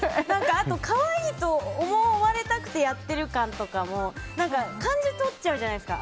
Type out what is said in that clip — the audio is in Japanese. あと、可愛いと思われたくてやってる感とかも感じ取っちゃうじゃないですか。